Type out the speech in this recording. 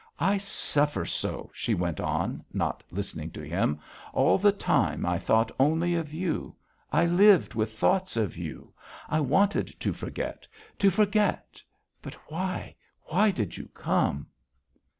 "I suffer so!" she went on, not listening to him. "All the time, I thought only of you. I lived with thoughts of you.... And I wanted to forget, to forget, but why, why did you come?"